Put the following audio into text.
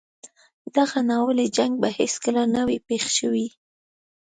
دغه ناولی جنګ به هیڅکله نه وای پېښ شوی.